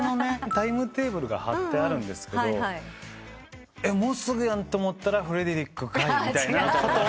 タイムテーブルが張ってあるんですけど「もうすぐやん」と思ったら「フレデリックかい」みたいな。